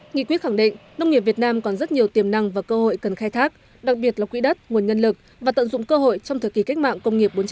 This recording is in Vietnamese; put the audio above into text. nghị quyết khẳng định nông nghiệp việt nam còn rất nhiều tiềm năng và cơ hội cần khai thác đặc biệt là quỹ đất nguồn nhân lực và tận dụng cơ hội trong thời kỳ cách mạng công nghiệp bốn